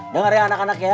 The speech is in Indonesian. dengar ya anak anak ya